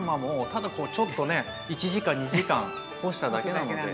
ただこうちょっとね１時間２時間干しただけなので。